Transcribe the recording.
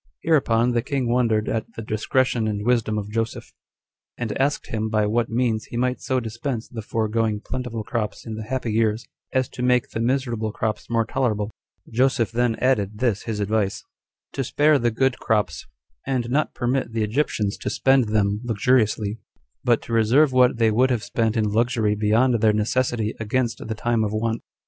7. Hereupon the king wondered at the discretion and wisdom of Joseph; and asked him by what means he might so dispense the foregoing plentiful crops in the happy years, as to make the miserable crops more tolerable. Joseph then added this his advice: To spare the good crops, and not permit the Egyptians to spend them luxuriously, but to reserve what they would have spent in luxury beyond their necessity against the time of want.